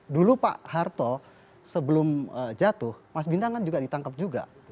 dulu pak harto sebelum jatuh mas bintang kan juga ditangkap juga